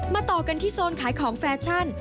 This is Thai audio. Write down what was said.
ต่อกันที่โซนขายของแฟชั่น